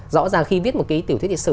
rõ ràng khi viết một cái tiểu thuyết lịch sử